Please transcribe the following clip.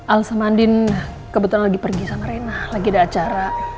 alsa mandin kebetulan lagi pergi sama reina lagi ada acara